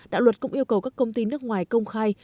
đạo luật cũng yêu cầu các công ty nước ngoài công khai